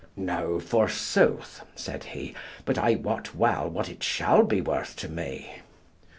"No, forsooth," said he, "but I wot well what it shall be worth to me."